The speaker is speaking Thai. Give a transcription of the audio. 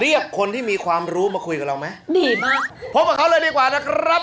เรียกคนที่มีความรู้มาคุยกับเราไหมดีมากพบกับเขาเลยดีกว่านะครับ